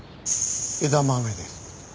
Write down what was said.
枝豆です。